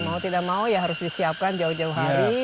mau tidak mau ya harus disiapkan jauh jauh hari